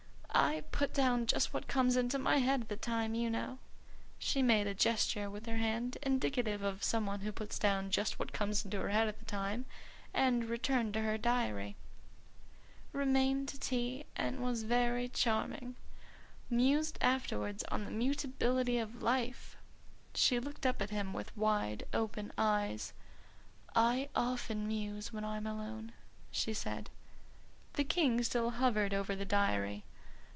I put down just what comes into my head at the time, you know." She made a gesture with her hand indicative of some one who puts down just what comes into her head at the time, and returned to her diary. "'Remained to tea, and was very charming. Mused afterwards on the mutability of life!'" She looked up at him with wide open eyes. "I often muse when I'm alone," she said. The King still hovered over the diary.